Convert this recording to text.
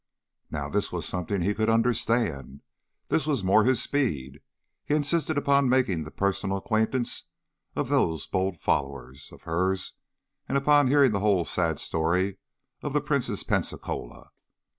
Now this was something he could understand. This was more his speed. He insisted upon making the personal acquaintance of those bold followers of hers and upon hearing the whole sad story of the Princess Pensacola.